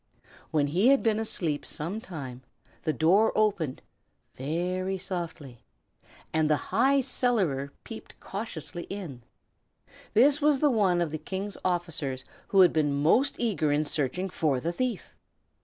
When he had been asleep some time, the door opened, very softly, and the High Cellarer peeped cautiously in. This was the one of the King's officers who had been most eager in searching for the thief.